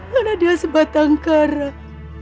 karena dia sebatang karat